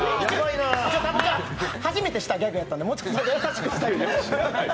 初めてしたギャグやったんでもう少し優しくして。